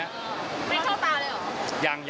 ไม่เข้าตาเลยอ่ะ